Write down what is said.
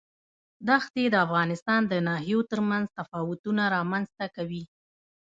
دښتې د افغانستان د ناحیو ترمنځ تفاوتونه رامنځ ته کوي.